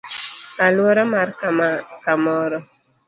Aluora mar kamoro;